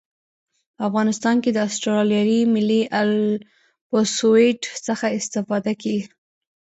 په افغانستان کې د اسټرلیایي ملي الپسویډ څخه استفاده کیږي